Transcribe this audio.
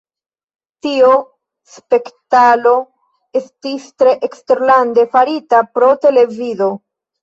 Tio spektalo estis tre eksterlande farita pro televido.